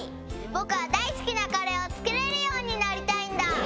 ぼくはだいすきなカレーをつくれるようになりたいんだ。